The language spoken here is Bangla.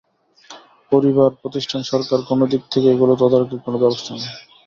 পরিবার, প্রতিষ্ঠান, সরকার কোনো দিক থেকে এগুলো তদারকির কোনো ব্যবস্থা নেই।